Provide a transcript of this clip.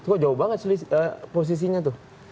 kok jauh banget sih posisinya tuh